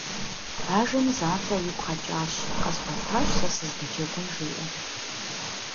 Бажэми занщӀэу игу къэкӀащ, къэзгъуэтащ сэ сызыдэджэгун, жиӀэри.